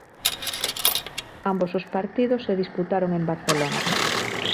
Ambos os partidos se disputaron en Barcelona.